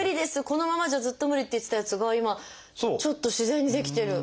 このままじゃずっと無理」って言ってたやつが今ちょっと自然にできてる。